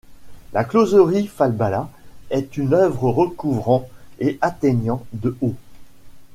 La closerie Falbala est une œuvre recouvrant et atteignant de haut.